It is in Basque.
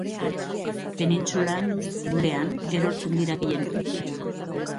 Penintsulan, gurean, erortzen dira gehien.